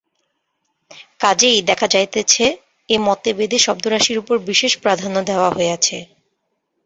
কাজেই দেখা যাইতেছে, এ মতে বেদে শব্দরাশির উপর বিশেষ প্রাধান্য দেওয়া হইয়াছে।